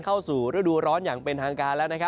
เข้าสู่ฤดูร้อนอย่างเป็นทางการแล้ว